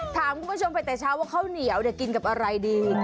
ถามคุณผู้ชมไปแต่เช้าว่าข้าวเหนียวกินกับอะไรดี